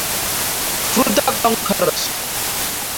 Fruta Conquerors